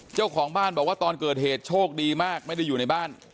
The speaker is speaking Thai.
เจ้าของบ้านบอกว่าตอนเกิดเหตุโชคดีมากไม่ได้อยู่ในบ้าน